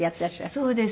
そうです。